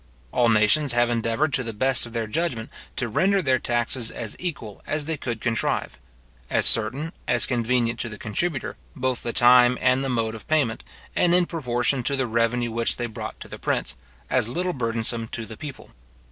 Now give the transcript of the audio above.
All nations have endeavoured, to the best of their judgment, to render their taxes as equal as they could contrive; as certain, as convenient to the contributor, both the time and the mode of payment, and in proportion to the revenue which they brought to the prince, as little burdensome to the people.